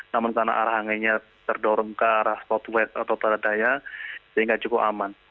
namun karena arah anginnya terdorong ke arah spot west atau perdaya sehingga cukup aman